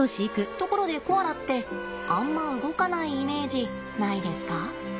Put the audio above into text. ところでコアラってあんま動かないイメージないですか？